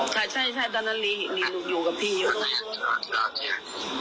ใช่ใช่ตอนนั้นลีอยู่กับพี่อยู่